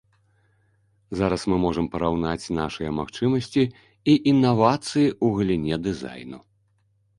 Зараз мы можам параўнаць нашыя магчымасці і інавацыі ў галіне дызайну.